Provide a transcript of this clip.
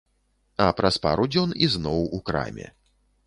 А праз пару дзён ізноў у краме.